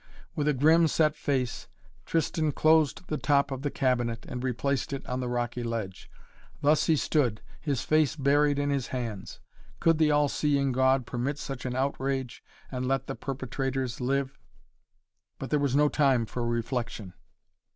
With a grim, set face Tristan closed the top of the cabinet and replaced it on the rocky ledge. Thus he stood, his face buried in his hands. Could the All seeing God permit such an outrage and let the perpetrators live? But there was no time for reflection.